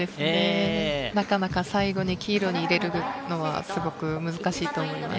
なかなか最後に黄色に入れるのはすごく難しいと思います。